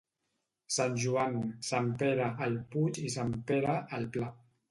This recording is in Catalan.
Sant Joan, Sant Pere el Puig i Sant Pere el Pla.